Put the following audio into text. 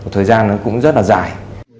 thời gian cũng rất là dài